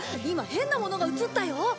今変なものが映ったよ。